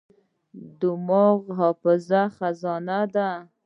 دماغ د حافظې خزانه ده.